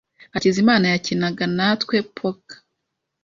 Hakizimana yakinaga natwe poker.